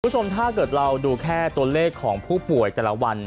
คุณผู้ชมถ้าเกิดเราดูแค่ตัวเลขของผู้ป่วยแต่ละวัน